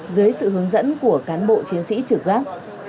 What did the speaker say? dưới sự hướng dẫn của cán bộ chiến sĩ trực gác